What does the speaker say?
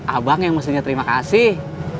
abang yang mestinya terima kasih